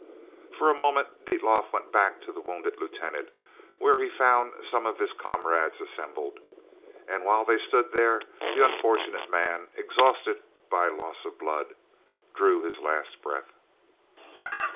For a moment Dietlof went back to the wounded lieutenant, where he found some of his comrades assembled, and while they stood there the unfortunate man, exhausted by loss of blood, drew his last breath.